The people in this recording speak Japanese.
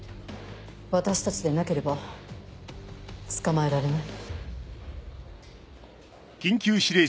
私たちでなければ捕まえられない。